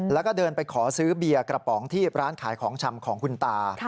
แล้วก็เดินไปขอซื้อเบียร์กระป๋องที่ร้านขายของชำของคุณตา